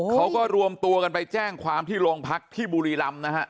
เขาก็รวมตัวกันไปแจ้งความที่โรงพักที่บุรีรำนะฮะ